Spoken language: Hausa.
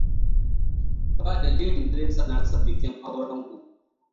Ba dalilin da zai sa na rasa bikin aurenku.